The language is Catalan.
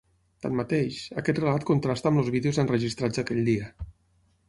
Tanmateix, aquest relat contrasta amb els vídeos enregistrats aquell dia.